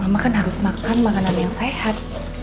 makan harus makan makanan yang sehat